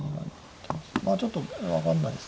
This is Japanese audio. まあちょっと分かんないです。